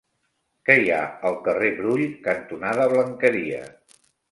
Què hi ha al carrer Brull cantonada Blanqueria?